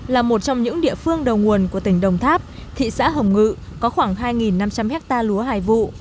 là một trong những địa phương đầu nguồn của tỉnh đồng tháp thị xã hồng ngự có khoảng hai năm trăm linh hectare lúa hải vụ